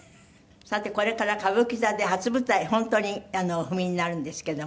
さてこれから歌舞伎座で初舞台を本当にお踏みになるんですけども。